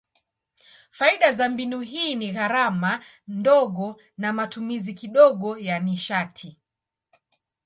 Faida za mbinu hii ni gharama ndogo na matumizi kidogo ya nishati.